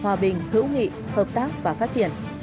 hòa bình hữu nghị hợp tác và phát triển